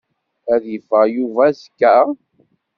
Ad yeffeɣ Yuba azekka?